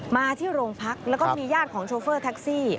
มาที่โรงพักแล้วก็มีญาติของโชเฟอร์แท็กซี่